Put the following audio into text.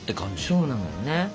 そうなのよね。